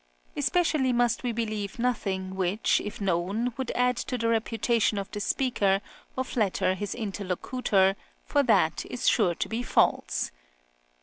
Especially must we believe nothing which, if known, would add to the reputation of the speaker or flatter his interlocutor, for that is sure to be false."